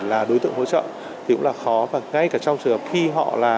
là đối tượng hỗ trợ thì cũng là khó và ngay cả trong trường hợp khi họ là